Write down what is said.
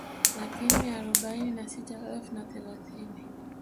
Laki nne arobaini na sita elfu na thelathini